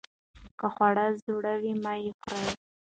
که خواړه زوړ وي مه یې خورئ.